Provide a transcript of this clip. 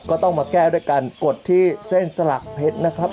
ก็ต้องมาแก้ด้วยกันกดที่เส้นสลักเพชรนะครับ